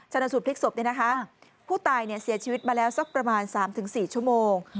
สูตพลิกศพผู้ตายเสียชีวิตมาแล้วสักประมาณ๓๔ชั่วโมง